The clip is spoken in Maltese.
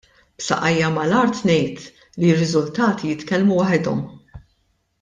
B'saqajja mal-art ngħid li r-riżultati jitkellmu waħedhom.